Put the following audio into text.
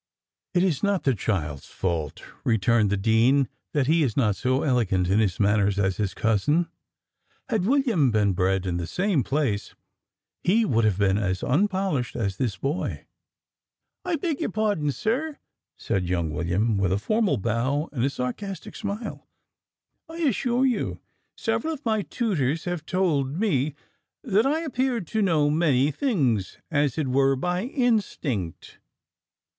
"It is not the child's fault," returned the dean, "that he is not so elegant in his manners as his cousin. Had William been bred in the same place, he would have been as unpolished as this boy." "I beg your pardon, sir," said young William with a formal bow and a sarcastic smile, "I assure you several of my tutors have told me, that I appear to know many things as it were by instinct."